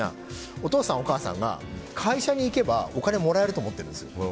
お父さん、お母さんが会社に行けばお金もらえると思ってるんですよ。